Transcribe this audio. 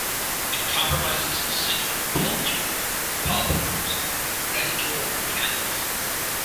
It comprises a central pulp chamber, pulp horns and radicular canals.